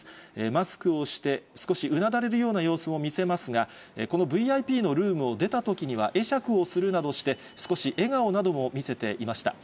マスクをして、少しうなだれるような様子を見せますが、このＶＩＰのルームを出たときには、会釈をするなどして、少し笑顔なども見せていました。